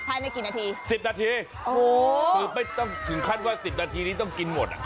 ภายในกี่นาทีสิบนาทีโอ้โหคือไม่ต้องถึงขั้นว่าสิบนาทีนี้ต้องกินหมดอ่ะ